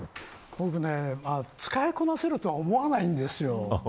僕、使いこなせるとは思えないんですよ。